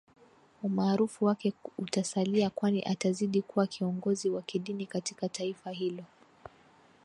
umaarufu wake utasalia kwani atazidi kuwa kiongozi wa kidini katika taifa hilo